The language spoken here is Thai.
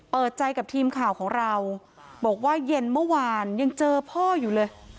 เปิดใจกับทีมข่าวของเราบอกว่าเย็นเมื่อวานยังเจอพ่ออยู่เลย